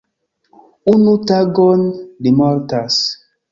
Unu tagon li mortas.